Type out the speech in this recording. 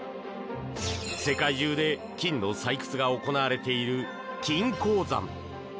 世界中で金の採掘が行われている金鉱山。